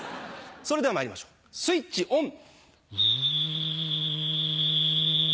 それではまいりましょうスイッチオン。